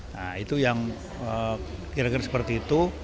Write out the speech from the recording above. nah itu yang kira kira seperti itu